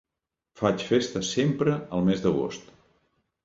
Faig festa sempre al mes d'agost.